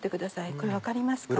これ分かりますか？